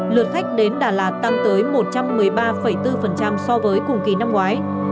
lượt khách đến đà lạt tăng tới một trăm một mươi ba bốn so với cùng kỳ năm ngoái